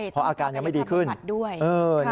เพราะอาการยังไม่ดีขึ้นด้วย